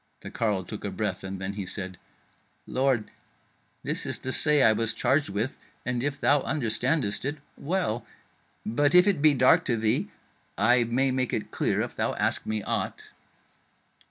'" The carle took a breath, and then he said: "Lord, this is the say I was charged with, and if thou understandest it, well; but if it be dark to thee, I may make it clear if thou ask me aught."